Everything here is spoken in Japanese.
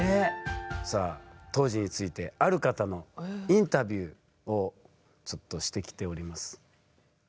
さあ当時についてある方のインタビューをしてきております。